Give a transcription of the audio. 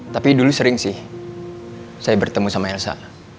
tapi dulu sering sih saya bertemu sama elsa